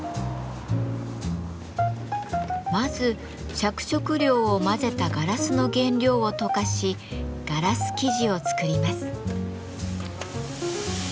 まず着色料を混ぜたガラスの原料を溶かしガラス素地を作ります。